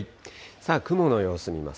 さあ、雲の様子見ます。